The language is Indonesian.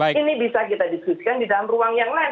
ini bisa kita diskusikan di dalam ruang yang lain